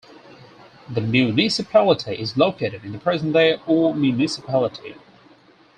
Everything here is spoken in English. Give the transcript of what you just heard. The municipality is located in the present-day Aure Municipality.